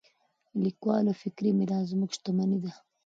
د لیکوالو فکري میراث زموږ شتمني ده.